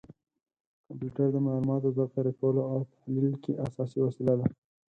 کمپیوټر د معلوماتو ذخیره کولو او تحلیل کې اساسي وسیله ده.